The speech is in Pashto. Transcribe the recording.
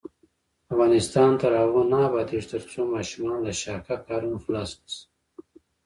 افغانستان تر هغو نه ابادیږي، ترڅو ماشومان له شاقه کارونو خلاص نشي.